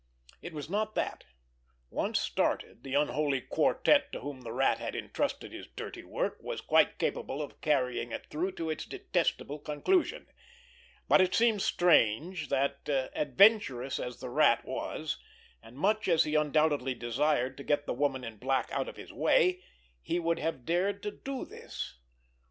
It was not that—once started, the unholy quartet to whom the Rat had entrusted his dirty work was quite capable of carrying it through to its detestable conclusion—but it seemed strange that, adventurous as the Rat was and much as he undoubtedly desired to get the Woman in Black out of his way, he would have dared to do this.